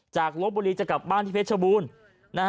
จากโรปบรีจะกลับบ้านที่เพชรบูรณ์